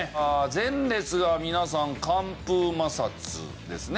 前列が皆さん乾布摩擦ですね。